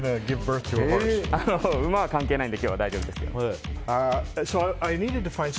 馬は関係ないので今日は大丈夫です。